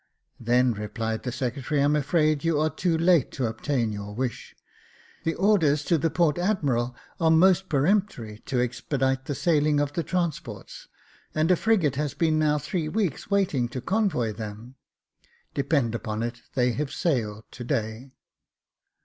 " Then," replied the secretary, " I am afraid you are too late to obtain your wish. The orders to the port admiral are most peremptory to expedite the sailing of the trans ports, and a frigate has been now three weeks waiting to convoy them. Depend upon it, they have sailed to day."